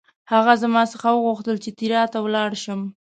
هغه زما څخه وغوښتل چې تیراه ته ولاړ شم.